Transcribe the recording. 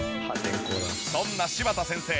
そんな柴田先生